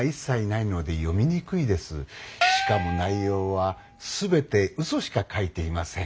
しかも内容は全てウソしか書いていません。